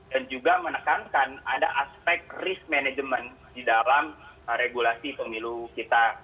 dan juga menekankan ada aspek risk management di dalam regulasi pemilu kita